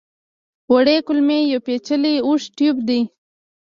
وړې کولمې یو پېچلی اوږد ټیوب دی.